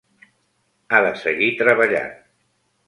Ha de seguir treballant.